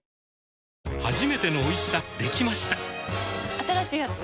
新しいやつ？